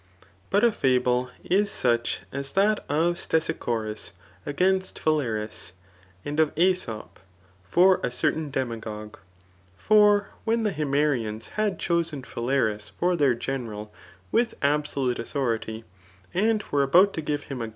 But a fable is. such as that of Stesicborus against Phalaris, and of ^sop for a certain demagogue* For, when the Himerians had chosen Phalaris for their general with absolute authority, and were about to give him a.